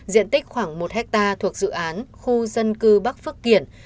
diện tích khoảng một hectare thuộc dự án khu dân cư bắc phước kiển